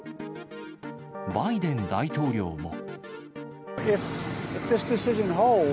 バイデン大統領も。